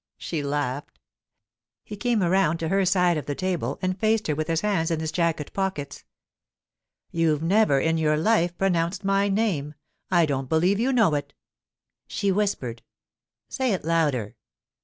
_' She laughed. He came around to her side of the table, and faced her with his hands in his jacket pockets. 'You've never in your life pronounced my name. I don't believe you know it!' She whispered. 'Say it louder.